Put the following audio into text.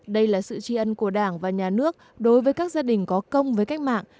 đây là sự tri ân của đảng và nhà nước đối với các gia đình có công với cách mạng